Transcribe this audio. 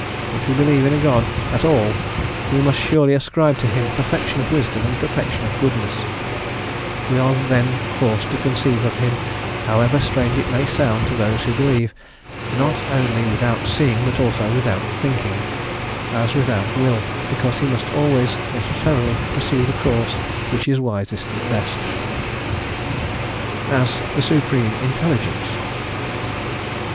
If we believe in a God at all we must surely ascribe to him perfection of wisdom and perfection of goodness; we are then forced to conceive of him however strange it may sound to those who believe, not only without seeing but also without thinking as without will, because he must always necessarily pursue the course which is wisest and best. As the Supreme Intelligence.